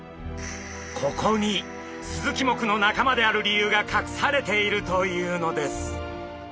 ここにスズキ目の仲間である理由がかくされているというのです。